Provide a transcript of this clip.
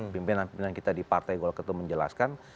pimpinan pimpinan kita di partai golkar itu menjelaskan